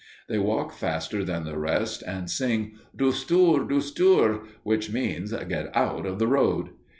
They walk faster than the rest and sing "Dustur, dustur," which means "Get out of the road."